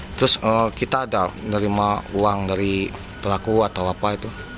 terus kita ada nerima uang dari pelaku atau apa itu